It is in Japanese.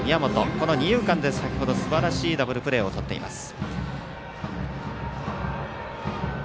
この二遊間で先ほどすばらしいダブルプレーをとっています。